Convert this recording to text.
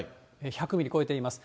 １００ミリ超えています。